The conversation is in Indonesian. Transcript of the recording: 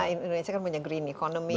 karena indonesia kan punya green economy